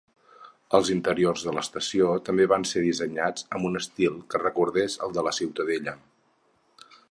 Els interiors de l'estació també van ser dissenyats amb un estil que recordés el de la ciutadella.